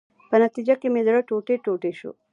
په نتیجه کې مې زړه ټوټې ټوټې شو.